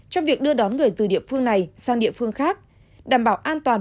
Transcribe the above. trong việc đưa đón người từ địa phương này sang địa phương khác đảm bảo an toàn